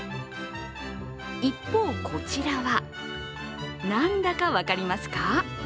一方、こちらは、何だか分かりますか？